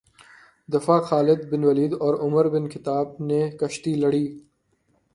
دفعہ خالد بن ولید اور عمر بن خطاب نے کشتی لڑی